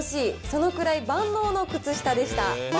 そのくらい万能の靴下でした。